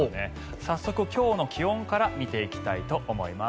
早速今日の気温から見ていきたいと思います。